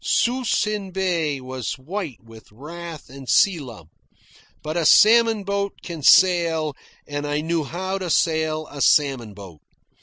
Suisun Bay was white with wrath and sea lump. But a salmon boat can sail, and I knew how to sail a salmon boat.